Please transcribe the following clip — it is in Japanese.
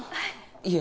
いえ。